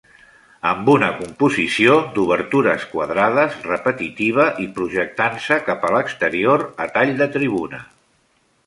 Amb una composició d'obertures quadrades repetitiva i projectant-se cap a l'exterior a tall de tribuna.